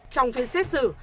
trong phiên xét xử